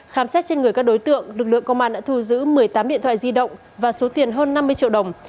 khám xét trên người các đối tượng lực lượng công an đã thu giữ một mươi tám điện thoại di động và số tiền hơn năm mươi triệu đồng